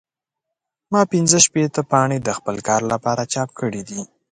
ما پنځه شپېته پاڼې د خپل کار لپاره چاپ کړې دي.